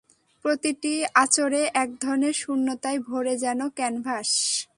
প্রতিটি আঁচড়ে একধরনের শূন্যতায় ভরে যেত ক্যানভাস।